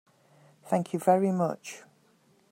Thank you very much.